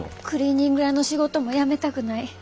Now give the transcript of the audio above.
クリーニング屋の仕事も辞めたくない。